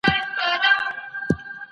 د تېرو تېروتنو څخه باید زده کړه وکړو.